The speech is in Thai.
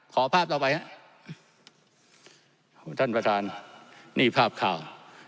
ขอภาพต่อไปฮะท่านประธานนี่ภาพข่าว